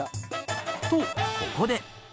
とここで。